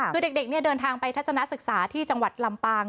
คือเด็กเดินทางไปทัศนศึกษาที่จังหวัดลำปาง